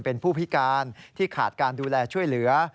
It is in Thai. เป็นผู้พิการที่ขาดการดูแลช่วยเหลือ